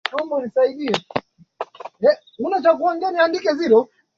iliyotokana na ile ya Wayahudi inalenga kuenea